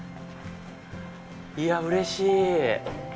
いやぁ、うれしい！